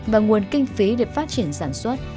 và nguồn kinh phí để phát triển sản xuất